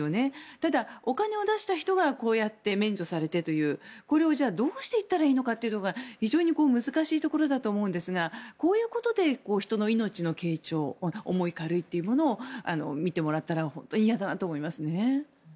ただ、お金を出した人がこうやって免除されてというこれをどうしていったらいいのかというのが非常に難しいところだと思うんですがこういうことで人の命の軽重重い、軽いというものを見てもらったら嫌だなと思いますね。